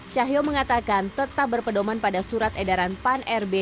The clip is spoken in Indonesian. cahyo mengatakan tetap berpedoman pada surat edaran pan rb